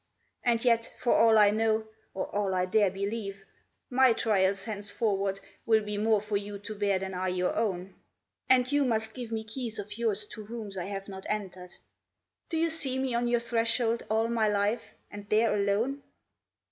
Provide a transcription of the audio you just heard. And yet, for all I know, or all I dare believe, my trials Henceforward will be more for you to bear than are your own; And you must give me keys of yours to rooms I have not entered. Do you see me on your threshold all my life, and there alone?